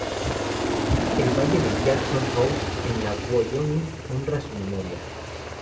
El valle de Jackson Hole, en Wyoming, honra su memoria.